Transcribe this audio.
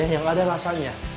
yang ada rasanya